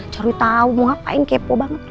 cari tahu mau ngapain kepo banget